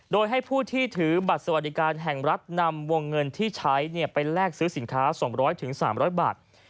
โดยให้ผู้ที่ถือบัตรสวัสดิการแห่งรัฐนำวงเงินที่ใช้ไปแลกซื้อสินค้า๒๐๐๓๐๐บาท